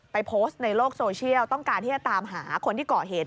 โพสต์ในโลกโซเชียลต้องการที่จะตามหาคนที่เกาะเหตุ